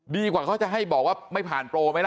กว่าเขาจะให้บอกว่าไม่ผ่านโปรไหมล่ะ